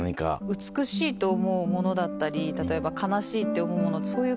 美しいと思うものだったり例えば悲しいって思うものそういう